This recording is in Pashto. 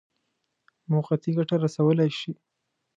موقتي ګټه رسولای شي.